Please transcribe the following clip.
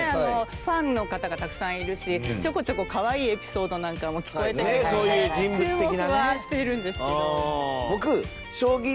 ファンの方がたくさんいるしちょこちょこ可愛いエピソードなんかも聞こえてくるので注目はしているんですけど。